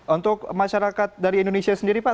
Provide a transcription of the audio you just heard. untuk masyarakat dari indonesia sendiri pak